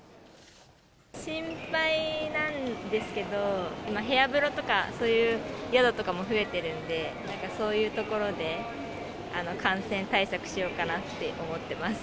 心配なんですけど、部屋風呂とか、そういう宿とかも増えてるんで、なんかそういうところで、感染対策しようかなって思ってます。